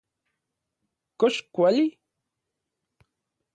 ¿Kox kuali...?